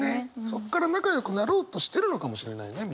そこから仲良くなろうとしてるのかもしれないね